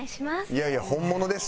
いやいや本物です。